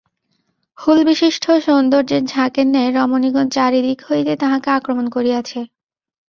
হুলবিশিষ্ট সৌন্দর্যের ঝাঁকের ন্যায় রমণীগণ চারিদিক হইতে তাঁহাকে আক্রমণ করিয়াছে।